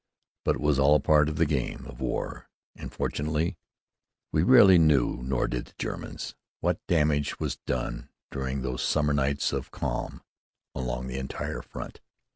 But it was all a part of the game of war; and fortunately, we rarely knew, nor did the Germans, what damage was done during those summer nights of "calm along the entire front."